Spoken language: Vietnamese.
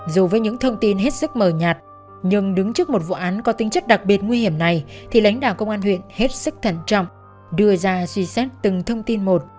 dù với những thông tin hết sức mờ nhạt nhưng đứng trước một vụ án có tính chất đặc biệt nguy hiểm này thì lãnh đạo công an huyện hết sức thận trọng đưa ra suy xét từng thông tin một